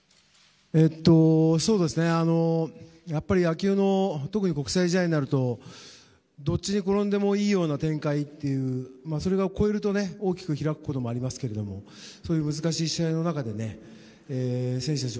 野球の特に国際試合になるとどっちに転んでもいいような展開という、それを超えれば大きく開くこともありますけどそういう難しい試合の中で選手たち